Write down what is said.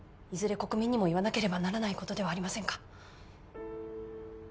国民にも言わなければならないことではありませんか